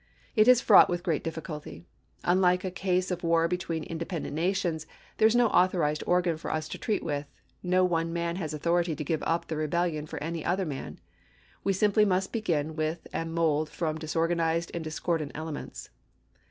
It is fraught with great difficulty. Unlike a case of war between independent nations, there is no authorized organ for us to treat with — no one man has authority to give up the rebellion for any other man. We simply must begin with and mold from disorganized and discordant ele ments.